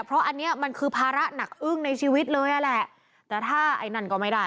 เพราะอันเนี้ยมันคือภาระหนักอึ้งในชีวิตเลยอ่ะแหละแต่ถ้าไอ้นั่นก็ไม่ได้